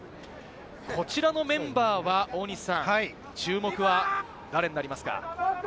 こちらのメンバーは大西さん、注目は誰になりますか？